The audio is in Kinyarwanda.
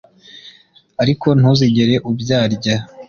ariko ntuzigere ubyarya